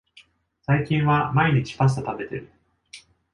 最近は毎日パスタ食べてる